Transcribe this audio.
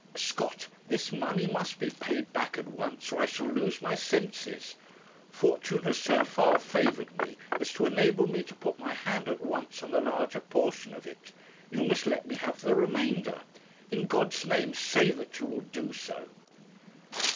'Scott, this money must be paid back at once, or I shall lose my senses. Fortune has so far favoured me as to enable me to put my hand at once on the larger portion of it. You must let me have the remainder. In God's name say that you will do so.'